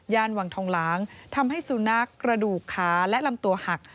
วังทองหลางทำให้สุนัขกระดูกขาและลำตัวหัก